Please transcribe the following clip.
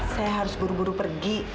saya harus buru buru pergi